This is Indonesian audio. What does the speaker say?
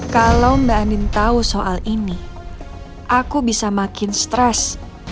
kalau mbak andin tahu soal ini aku bisa makin stres